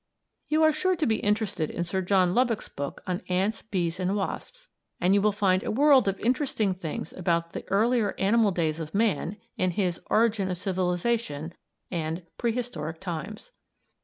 You are sure to be interested in Sir John Lubbock's book on "Ants, Bees and Wasps," and you will find a world of interesting things about the earlier animal days of man in his "Origin of Civilization" and "Pre Historic Times."